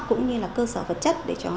cũng như là cơ sở vật chất